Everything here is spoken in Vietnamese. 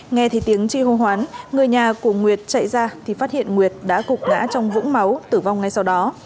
nghe thấy tiếng chi hô hoán người nhà của nguyệt chạy ra thì phát hiện nguyệt đã cục ngã trong vũng máu tử vong ngay sau đó